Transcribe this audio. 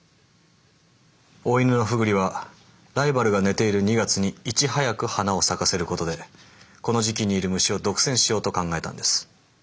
オオイヌノフグリはライバルが寝ている２月にいち早く花を咲かせることでこの時期にいる虫を独占しようと考えたんです。